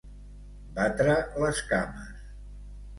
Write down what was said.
Batre les cames.